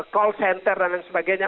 call center dan lain sebagainya